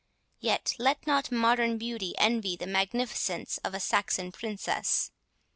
Yet let not modern beauty envy the magnificence of a Saxon princess.